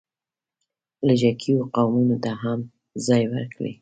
لږکیو قومونو ته هم ځای ورکړی.